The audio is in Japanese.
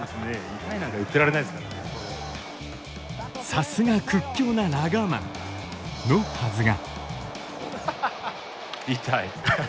さすが屈強なラガーマンの、はずが。